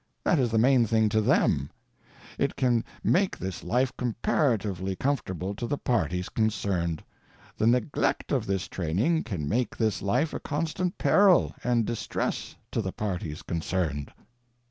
That is the main thing to them. It can make this life comparatively comfortable to the parties concerned; the _neglect _of this training can make this life a constant peril and distress to the parties concerned.